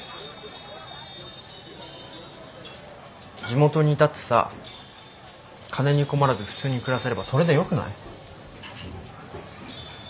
地元にいたってさ金に困らず普通に暮らせればそれでよくない？